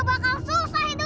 jangan sampai itu